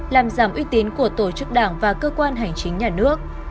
làm giảm uy tín của tổ chức đảng và cơ quan hành chính nhà nước